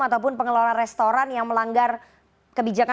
ataupun pengelola restoran yang melanggar kebijakan